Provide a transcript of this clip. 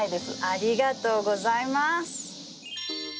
ありがとうございます。